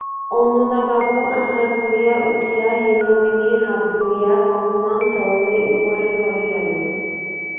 অন্নদাবাবু আহার করিয়া উঠিয়া হেমনলিনীর হাত ধরিয়া কম্পমান চরণে উপরের ঘরে গেলেন।